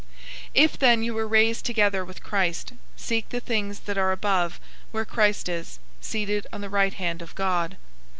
003:001 If then you were raised together with Christ, seek the things that are above, where Christ is, seated on the right hand of God.